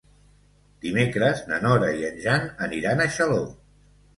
Dimecres na Nora i en Jan aniran a Xaló.